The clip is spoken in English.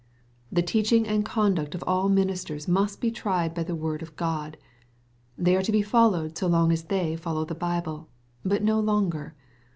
The teaching and conduct of all minis ters must be tried by the Word of God. They are to be followed so long as they follow the Bible, but no longer.